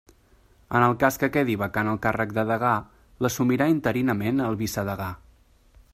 En el cas que quedi vacant el càrrec de degà, l'assumirà interinament el vicedegà.